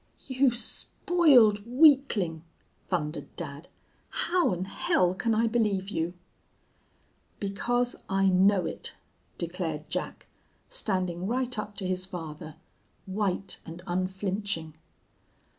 "You spoiled weaklin'!' thundered dad. 'How 'n hell can I believe you?' "Because I know it,' declared Jack, standing right up to his father, white and unflinching.